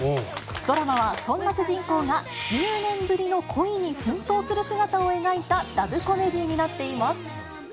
ドラマはそんな主人公が１０年ぶりの恋に奮闘する姿を描いたラブコメディーになっています。